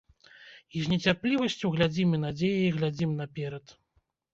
І з нецярплівасцю глядзім і надзеяй глядзім наперад.